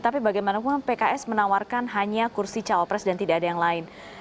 tapi bagaimanapun pks menawarkan hanya kursi cawapres dan tidak ada yang lain